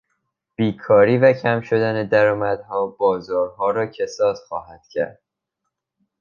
بیکاری و کم شدن درآمدها بازارها را کساد خواهد کرد.